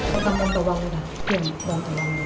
ต้องกำลังประวังเลยค่ะต้องกำลังประวังเลย